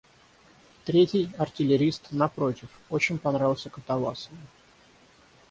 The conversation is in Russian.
Третий, артиллерист, напротив, очень понравился Катавасову.